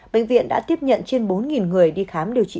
bệnh viện đã tiếp nhận trên bốn người đi khám điều trị